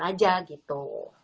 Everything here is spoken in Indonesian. bukan aja gitu